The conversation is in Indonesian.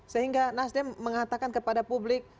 sehingga nasdem mengatakan kepada publik